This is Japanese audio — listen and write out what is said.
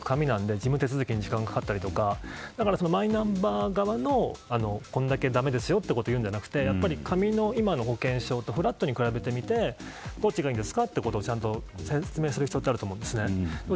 事務手続きに時間がかかったりとかマイナカード側のこれだけだめというだけじゃなくてやっぱり紙の今の保険証とフラットに比べてみてどっちがいいんですかということを説明する必要があると思います。